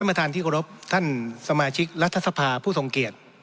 ประธานที่เคารพท่านสมาชิกรัฐสภาผู้ทรงเกียจ